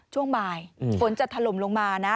ช่วงบ่ายฝนจะถล่มลงมานะ